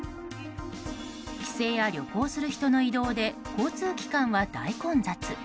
帰省や旅行をする人の移動で交通機関は大混雑。